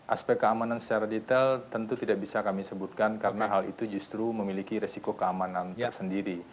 aspek keamanan secara detail tentu tidak bisa kami sebutkan karena hal itu justru memiliki resiko keamanan tersendiri